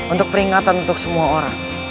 untuk peringatan untuk semua orang